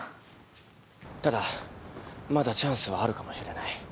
ただまだチャンスはあるかもしれない。